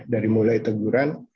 dari mulai teguran